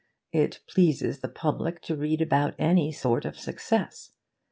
It pleases the public to read about any sort of success.